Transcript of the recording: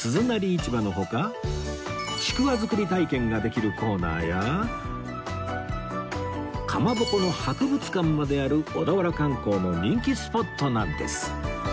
市場の他ちくわ作り体験ができるコーナーやかまぼこの博物館まである小田原観光の人気スポットなんです